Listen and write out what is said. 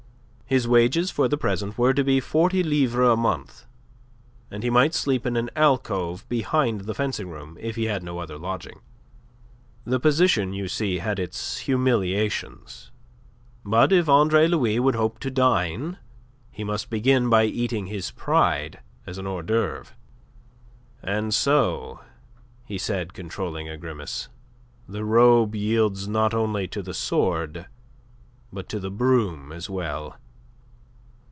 His wages for the present were to be forty livres a month, and he might sleep in an alcove behind the fencing room if he had no other lodging. The position, you see, had its humiliations. But, if Andre Louis would hope to dine, he must begin by eating his pride as an hors d'oeuvre. "And so," he said, controlling a grimace, "the robe yields not only to the sword, but to the broom as well.